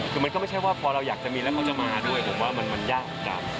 คือมันก็ไม่ใช่ว่าพอเราอยากจะมีแล้วเขาจะมาด้วยผมว่ามันยากเหมือนกัน